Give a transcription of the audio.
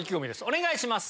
お願いします。